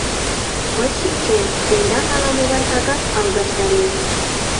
Мый шинчем, тендам ала-могай кагаз алгаштарен.